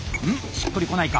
しっくりこないか？